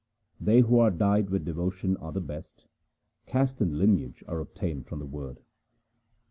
They who are dyed with devotion are the best ; caste and lineage are obtained from the Word.